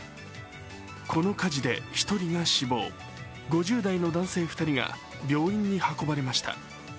この火事で１人が死亡５０代の男性２人が病院に運ばれました。